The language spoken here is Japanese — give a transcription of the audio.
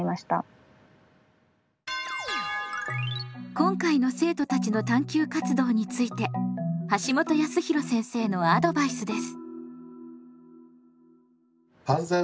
今回の生徒たちの探究活動について橋本康弘先生のアドバイスです。